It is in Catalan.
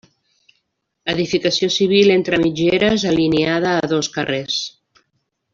Edificació civil entre mitgeres, alineada a dos carrers.